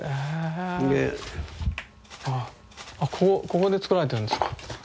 ここで作られてるんですか？